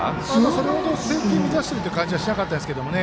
それほど、制球を乱しているという感じはしなかったですけどね。